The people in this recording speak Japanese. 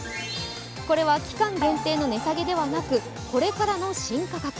これは期間限定の値下げではなく、これからの新価格。